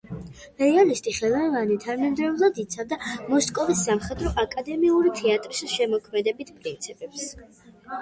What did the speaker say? რეალისტი ხელოვანი თანმიმდევრულად იცავდა მოსკოვის სამხატვრო აკადემიური თეატრის შემოქმედებით პრინციპებს.